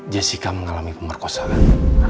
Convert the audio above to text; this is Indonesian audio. jessica mengalami pemerkosaan